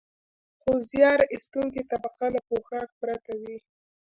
خو زیار ایستونکې طبقه له پوښاک پرته وي